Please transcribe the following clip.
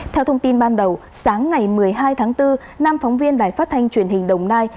theo thông tin ban đầu sáng ngày một mươi hai tháng bốn nam phóng viên đài phát thanh truyền hình đồng nai